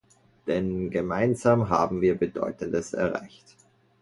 Denn gemeinsam haben wir Bedeutendes erreicht.